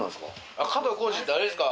あっ加藤浩次ってあれですか？